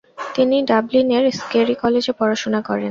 তিনি ডাবলিনের স্কেরি কলেজে পড়াশুনা করেন।